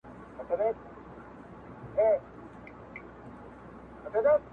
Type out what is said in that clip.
هم تر نارنج هم تر انار ښکلی دی؛